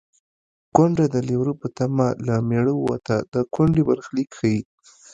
کونډه د لېوره په تمه له مېړه ووته د کونډې برخلیک ښيي